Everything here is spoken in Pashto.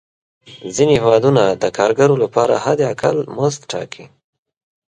ځینې هېوادونه د کارګرو لپاره حد اقل مزد ټاکي.